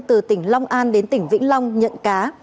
từ tỉnh long an đến tỉnh vĩnh long nhận cá